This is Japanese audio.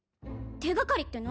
手がかりって何？